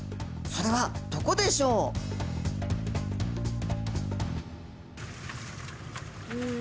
それはどこでしょう？